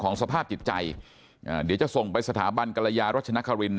ของสภาพติดใจเดี๋ยวจะส่งไปสถาบันกรยารจชนะควินนะ